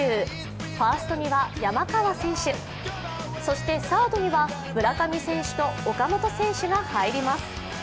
ファーストには山川選手、そしてサードには村上選手と岡本選手が入ります。